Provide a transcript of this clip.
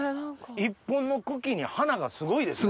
１本の茎に花がすごいですね。